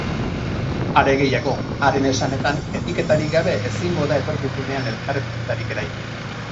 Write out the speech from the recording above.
Are gehiago, haren esanetan, etikarik gabe ezingo da etorkizunean elkarbizitzarik eraiki.